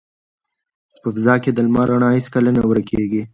په فضا کې د لمر رڼا هیڅکله نه ورکیږي.